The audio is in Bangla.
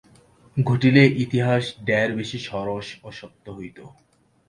ঘটিলে ইতিহাস ঢের বেশি সরস ও সত্য হইত।